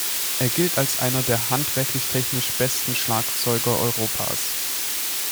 Er gilt als einer der handwerklich-technisch besten Schlagzeuger Europas.